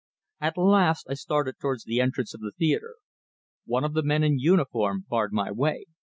At last I started towards the entrance of the theatre. One of the men in uniform barred my way.